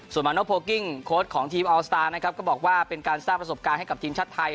ส่วนมาโนโพลกิ้งโค้ดของทีมอัลสตาร์นะครับก็บอกว่าเป็นการสร้างประสบการณ์ให้กับทีมชาติไทย